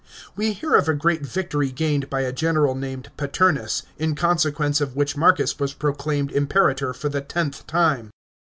We hear of a great victory gained by a general named Paternus, in consequence of which Marcus was proclaimed Imperator for the tenth time.